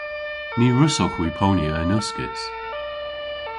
Ny wrussowgh hwi ponya yn uskis.